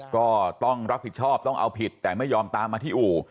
ก็ต้องรับผิดชอบต้องเอาผิดแต่ไม่ยอมตามมาที่อู่